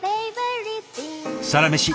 「サラメシ」